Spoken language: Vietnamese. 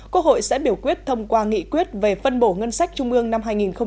quốc hội sẽ biểu quyết thông qua nghị quyết về phân bổ ngân sách trung ương năm hai nghìn hai mươi